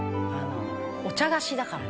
「お茶菓子だからね」